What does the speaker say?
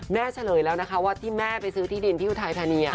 เฉลยแล้วนะคะว่าที่แม่ไปซื้อที่ดินที่อุทัยธานี